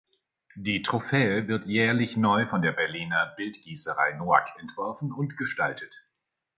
Die Trophäe wird jährlich neu von der Berliner Bildgießerei Noack entworfen und gestaltet.